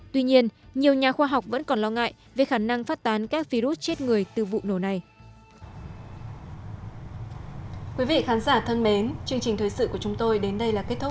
tuy nhiên nhiều nhà khoa học vẫn còn lo ngại về khả năng phát tán các virus chết người từ vụ nổ này